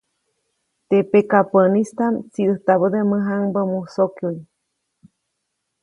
Teʼ pakabäʼnistaʼm tsiʼdäjtabäde mäjaŋbä musokyuʼy.